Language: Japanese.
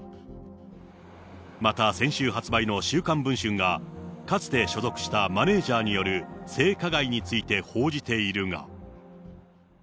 また先週発売の週刊文春が、かつて所属したマネージャーによる性加害について報じているが。